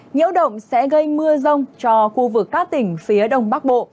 nhiễu động sẽ gây mưa rông cho khu vực các tỉnh phía đông bắc bộ